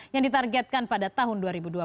yang ditargetkan pada tahun dua ribu dua puluh